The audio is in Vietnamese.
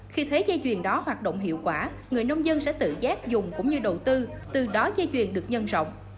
khi thấy dây chuyền đó hoạt động hiệu quả người nông dân sẽ tự giác dùng cũng như đầu tư từ đó dây chuyền được nhân rộng